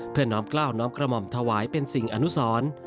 เพื่อน้องกล้าวน้องกระหม่อมถวายเป็นสิ่งอนุสอน